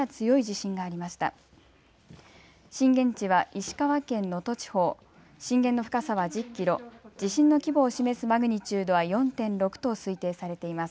震源地は石川県能登地方、震源の深さは１０キロ、地震の規模を示すマグニチュードは４．６と推定されています。